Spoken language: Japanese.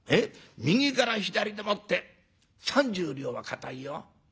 右から左でもって３０両は堅いよ。